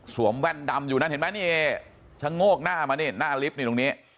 แว่นดำอยู่นั่นเห็นไหมนี่ชะโงกหน้ามานี่หน้าลิฟต์นี่ตรงนี้